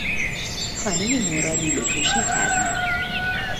خانهی نو را لوله کشی کردن